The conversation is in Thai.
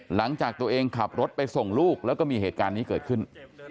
หลังจากตัวเองขับรถไปส่งลูกแล้วก็มีเหตุการณ์นี้เกิดขึ้น